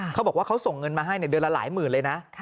เขาบอกว่าเขาส่งเงินมาให้เดือนละหลายหมื่นเลยนะ